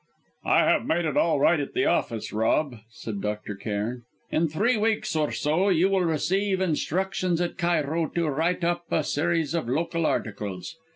"I have made it all right at the office, Rob," said Dr. Cairn. "In three weeks or so you will receive instructions at Cairo to write up a series of local articles.